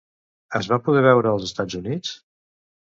Es va poder veure als Estats Units?